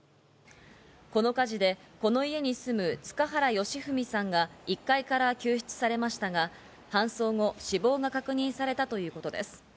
この火事で、この家に住む、塚原良文さんが１階から救出されましたが、搬送後、死亡が確認されたということです。